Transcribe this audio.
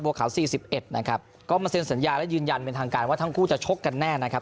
ขาวสี่สิบเอ็ดนะครับก็มาเซ็นสัญญาและยืนยันเป็นทางการว่าทั้งคู่จะชกกันแน่นะครับ